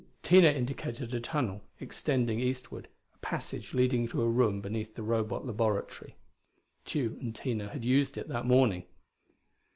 Tina indicated a tunnel extending eastward, a passage leading to a room beneath the Robot laboratory. Tugh and Tina had used it that morning.